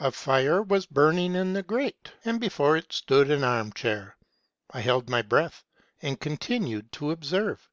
A fire was burning in the grate, and before it stood an arm chair. I held my breath, and continued to observe.